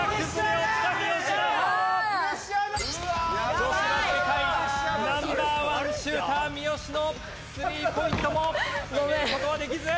女子バスケ界ナンバーワンシューター三好のスリーポイントも決める事はできず！